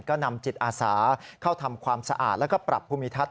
ก็นำจิตอาสาเข้าทำความสะอาดแล้วก็ปรับภูมิทัศน